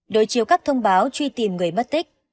đối chiếu các thông báo truy tìm người mất tích